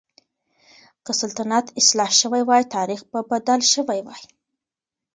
که سلطنت اصلاح شوی وای، تاريخ به بدل شوی وای.